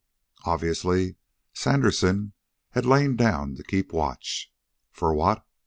Obviously Sandersen had lain down to keep watch. For what?